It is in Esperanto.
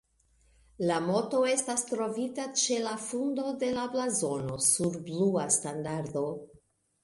La moto estas trovita ĉe la fundo de la blazono sur blua standardo.